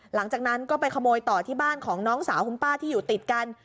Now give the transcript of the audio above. หลังจากนั้นก็ไปขโมยต่อที่บ้านของน้องสาวคุณป้าที่อยู่ติดกัน